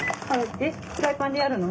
フライパンでやるの？